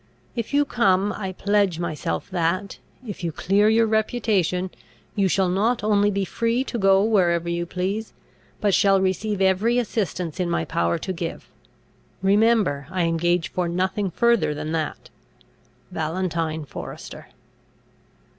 If you come, I pledge myself that, if you clear your reputation, you shall not only be free to go wherever you please, but shall receive every assistance in my power to give. Remember, I engage for nothing further than that. "VALENTINE FORESTER."